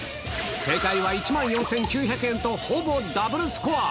正解は１万４９００円と、ほぼダブルスコア。